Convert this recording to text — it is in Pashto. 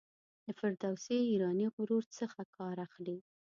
د فردوسي ایرانی غرور څخه کار اخلي.